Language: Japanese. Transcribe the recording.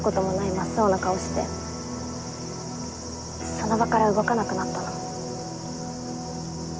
真っ青な顔してその場から動かなくなったの。